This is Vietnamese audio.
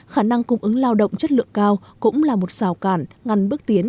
khả năng cung ứng lao động chất lượng cao cũng là một xào cản